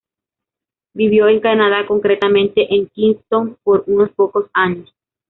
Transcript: Vivió en Canadá, concretamente en Kingston por unos pocos años.